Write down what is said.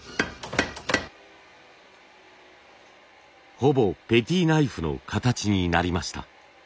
ほぼペティナイフの形になりました。